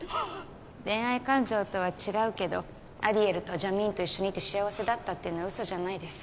恋愛感情とは違うけどアディエルとジャミーンと一緒にいて幸せだったっていうのは嘘じゃないです